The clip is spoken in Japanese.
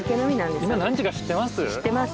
今何時か知ってます？